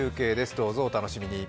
どうぞお楽しみに。